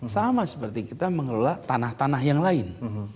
sama seperti kita mengelola tanah tanah yang lain